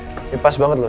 ini pas banget loh